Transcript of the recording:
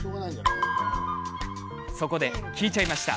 そこで聞いちゃいました。